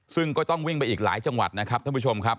ซึ่งก็ต้องวิ่งไปอีกหลายจังหวัดนะครับท่านผู้ชมครับ